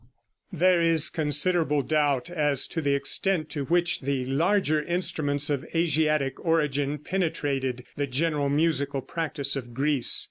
] There is considerable doubt as to the extent to which the larger instruments of Asiatic origin penetrated the general musical practice of Greece.